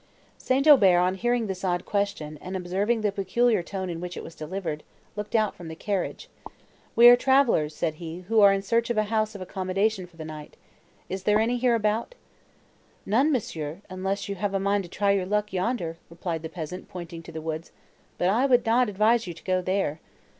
St. Aubert, on hearing this odd question, and observing the peculiar tone in which it was delivered, looked out from the carriage. "We are travellers," said he, "who are in search of a house of accommodation for the night; is there any hereabout?" "None, Monsieur, unless you have a mind to try your luck yonder," replied the peasant, pointing to the woods, "but I would not advise you to go there."